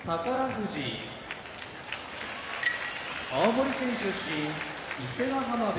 富士青森県出身伊勢ヶ濱部屋